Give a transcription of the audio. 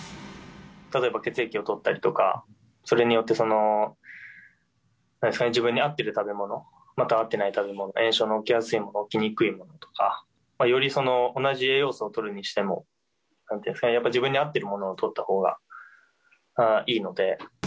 例えば血液を採ったりとか、それによって、自分に合ってる食べ物、また合っていない食べ物、炎症の起きやすいもの、起きにくいものとか、より同じ栄養素をとるにしても、なんていうんですかね、自分に合ったものをとったほうがいいので。